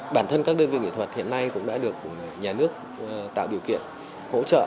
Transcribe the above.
bản thân các đơn vị nghệ thuật hiện nay cũng đã được nhà nước tạo điều kiện hỗ trợ